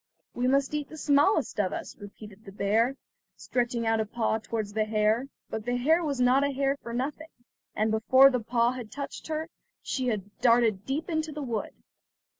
"We must eat the smallest of us," repeated the bear, stretching out a paw towards the hare; but the hare was not a hare for nothing, and before the paw had touched her, she had darted deep into the wood.